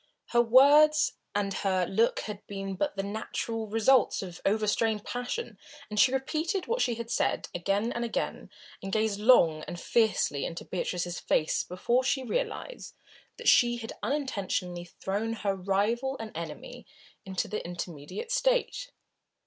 Her words and her look had been but the natural results of overstrained passion, and she repeated what she had said again and again, and gazed long and fiercely into Beatrice's face before she realised that she had unintentionally thrown her rival and enemy into the intermediate state.